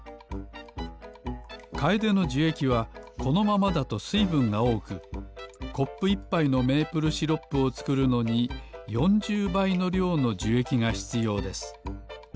カエデのじゅえきはこのままだとすいぶんがおおくコップ１ぱいのメープルシロップをつくるのに４０ばいのりょうのじゅえきがひつようです。